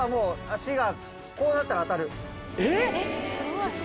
膝こうやったら当たる。